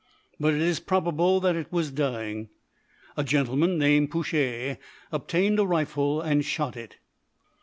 But it is probable that it was dying. A gentleman named Pouchet obtained a rifle and shot it.